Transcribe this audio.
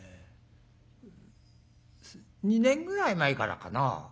２年ぐらい前からかな。